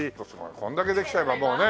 こんだけできちゃえばもうね。